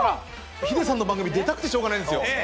ヒデさんの番組に出たくてしょうがないんですよ。